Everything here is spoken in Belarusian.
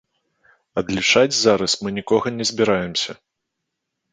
Адлічаць зараз мы нікога не збіраемся.